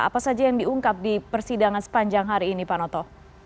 apa saja yang diungkap di persidangan sepanjang hari ini pak noto